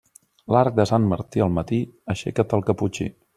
L'arc de Sant Martí al matí, aixeca't el caputxí.